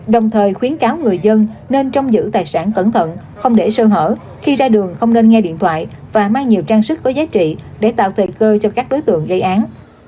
đồng thời khuyến cáo người dân nên trong giữ tài sản cẩn thận không để sơ hở khi ra đường không nên nghe điện thoại và mang nhiều trang sức có giá trị để tạo thời cơ cho các đối tượng gây án